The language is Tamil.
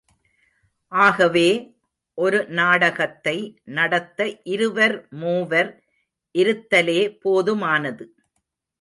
ஆகவே, ஒரு நாடகத்தை நடத்த இருவர் மூவர் இருத்தலே போதுமானது.